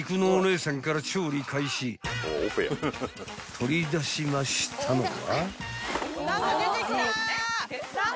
［取り出しましたのは］